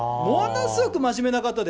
ものすごく真面目な方で。